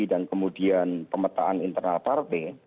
dan kemudian pemetaan internal partai